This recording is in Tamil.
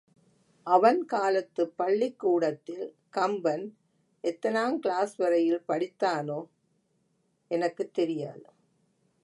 அவன் காலத்துப் பள்ளிக் கூடத்தில் கம்பன் எத்தனாங்கிளாஸ் வரையில் படித்தானோ எனக்குத் தெரியாது.